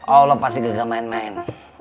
allah pasti gagal main main